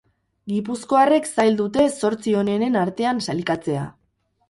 Gipuzkoarrek zail dute zortzi onenen artean sailkatzea.